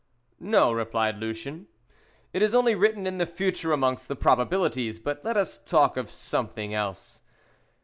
"No," replied Lucien, "it is only written in the future amongst the probabilities; but let us talk of something else.